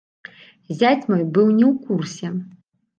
Зяць мой быў не ў курсе.